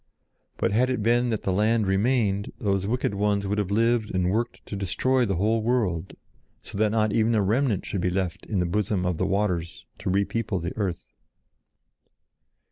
But had it been that the land remained, those wicked ones would have lived and worked to destroy the whole world so that not even a remnant should be left in the bosom of the waters to re people the earth.